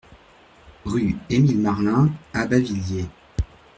Rue Émile Marlin à Bavilliers